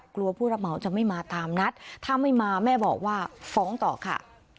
ผู้รับเหมาจะไม่มาตามนัดถ้าไม่มาแม่บอกว่าฟ้องต่อค่ะ